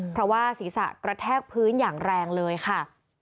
เพราะว่าศีรษะกระแทกพื้นอย่างแรงเลยค่ะ